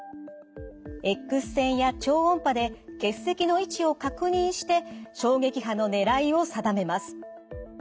Ｘ線や超音波で結石の位置を確認して衝撃波の狙いを定めます。